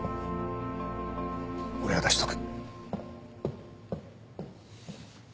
俺が出しとく。